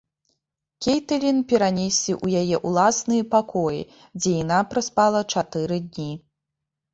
Кейтылін перанеслі ў яе ўласныя пакоі, дзе яна праспала чатыры дні.